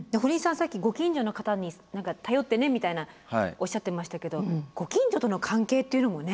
さっきご近所の方に頼ってねみたいなおっしゃってましたけどご近所との関係というのもね。